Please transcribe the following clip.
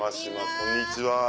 こんにちは。